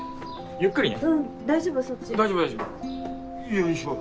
ゆっくりね。